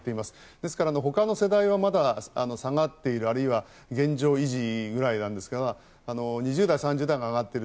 ですからほかの世代はまだ下がっているあるいは現状維持ぐらいなんですが２０代、３０代が上がっている。